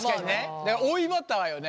だから追いバターよね。